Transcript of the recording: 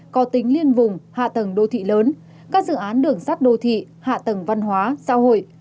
có tính liên vùng hạ tầng đô thị lớn các dự án đường sắt đô thị hạ tầng văn hóa xã hội